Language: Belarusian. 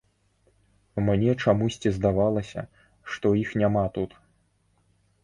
Мне чамусьці здавалася, што іх няма тут.